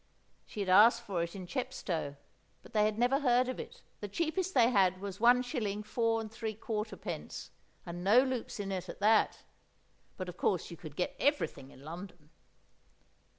She had asked for it in Chepstow, but they had never heard of it, the cheapest they had was 1_s._ 4¾_d._, and no loops in it at that. But, of course, you could get everything in London.